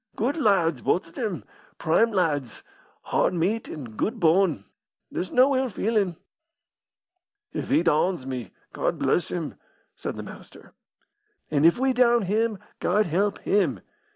"Good lads, both of them! prime lads! hard meat an' good bone. There's no ill feelin'." "If he downs me, Gawd bless him!" said the Master, "An' if we down him, Gawd help him!"